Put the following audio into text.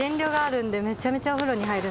めちゃめちゃお風呂に入るんです。